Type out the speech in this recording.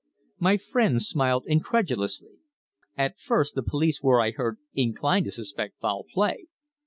My friend smiled incredulously. "At first, the police were, I heard, inclined to suspect foul play.